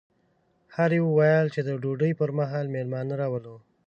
هر یوه ویل چې د ډوډۍ پر مهال مېلمانه راولو.